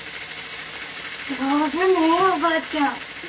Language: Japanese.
上手ねえおばあちゃん。